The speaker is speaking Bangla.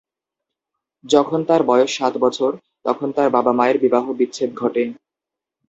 যখন তার বয়স সাত বছর, তখন তার বাবা মায়ের বিবাহ বিচ্ছেদ ঘটে।